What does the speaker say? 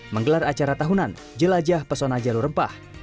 menggelar acara tahunan jelajah pesona jalur rempah